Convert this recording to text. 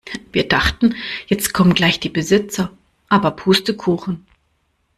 Wir dachten, jetzt kommen gleich die Besitzer, aber Pustekuchen.